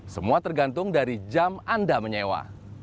semua tergantung dari jam anda menyewa